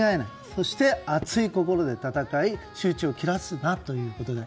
そして、熱い心で戦い集中力を切らすなということで。